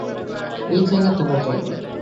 এই জায়গা তোমার জন্য নয়।